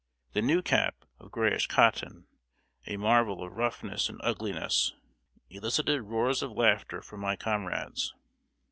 The new cap, of grayish cotton, a marvel of roughness and ugliness, elicited roars of laughter from my comrades.